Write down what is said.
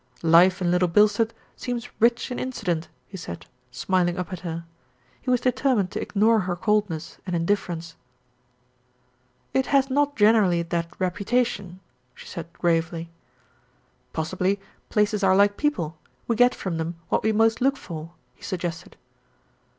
"Life in Little Bilstead seems rich in incident," he said, smiling up at her. He was determined to ignore her coldness and indifference. NERO IN DISGRACE 183 "It has not generally that reputation/' she said gravely. "Possibly places are like people, we get from them what we most look for," he suggested.